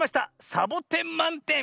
サボテンまんてん！